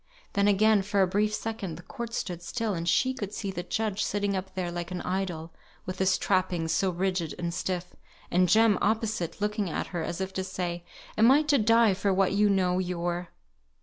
Then again, for a brief second, the court stood still, and she could see the judge, sitting up there like an idol, with his trappings, so rigid and stiff; and Jem, opposite, looking at her, as if to say, Am I to die for what you know your